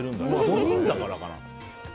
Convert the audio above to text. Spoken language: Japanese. ５人だからかな。